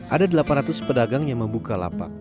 ada delapan ratus pedagang yang membuka lapak